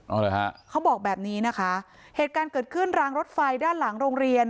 เอาเหรอฮะเขาบอกแบบนี้นะคะเหตุการณ์เกิดขึ้นรางรถไฟด้านหลังโรงเรียน